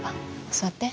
座って。